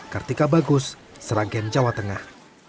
kartika bagus seragen jawa tengah